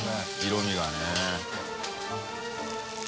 色味がね。